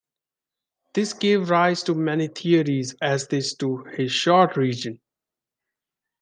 This gave rise to many theories as to his short reign.